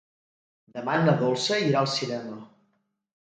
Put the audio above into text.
Demà na Dolça irà al cinema.